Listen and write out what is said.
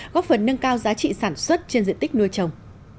góp phần nâng cao giá trị sản xuất trên diện tích nuôi trồng